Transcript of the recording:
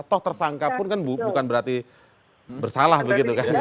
toh tersangka pun kan bukan berarti bersalah begitu kan